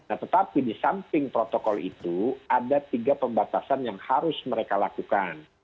nah tetapi di samping protokol itu ada tiga pembatasan yang harus mereka lakukan